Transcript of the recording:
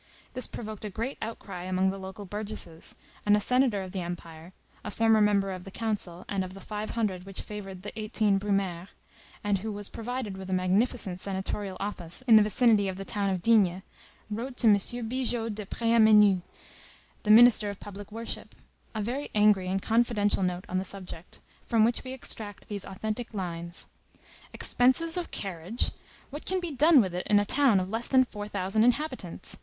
_ This provoked a great outcry among the local burgesses; and a senator of the Empire, a former member of the Council of the Five Hundred which favored the 18 Brumaire, and who was provided with a magnificent senatorial office in the vicinity of the town of D——, wrote to M. Bigot de Préameneu, the minister of public worship, a very angry and confidential note on the subject, from which we extract these authentic lines:— "Expenses of carriage? What can be done with it in a town of less than four thousand inhabitants?